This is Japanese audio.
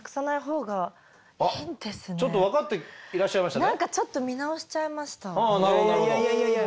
ちょっと分かっていらっしゃいましたね。